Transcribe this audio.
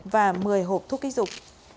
và một mươi hộp thuốc kích dục